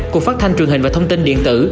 cục phát thanh truyền hình và thông tin điện tử